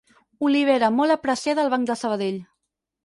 Olivera molt apreciada al Banc de Sabadell.